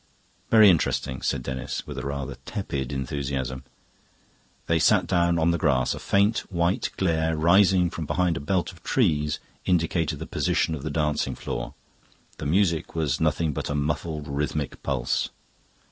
"Very interesting," said Denis, with a rather tepid enthusiasm. They sat down on the grass. A faint white glare, rising from behind a belt of trees, indicated the position of the dancing floor. The music was nothing but a muffled rhythmic pulse.